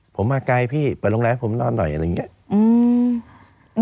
ผมมาไกลพี่เปิดโรงแรมให้ผมนอนหน่อยอะไรอย่างนี้